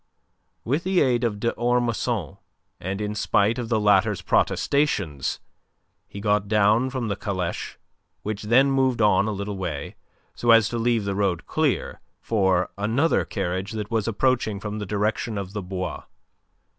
With the aid of d'Ormesson, and in spite of the latter's protestations, he got down from the caleche, which then moved on a little way, so as to leave the road clear for another carriage that was approaching from the direction of the Bois.